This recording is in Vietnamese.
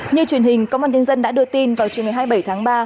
như truyền hình công an tinh dân đã đưa tin vào chiều ngày hai mươi bảy tháng ba